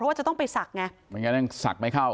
ก็ต้องไปศักดิ์ไงเวลนั้นคงหม้นศักดิ์ไม่เข้า